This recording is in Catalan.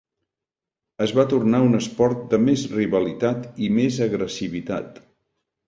Es va tornar un esport de més rivalitat i més agressivitat.